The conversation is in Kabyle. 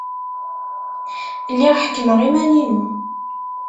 Lliɣ ḥekkmeɣ iman-inu.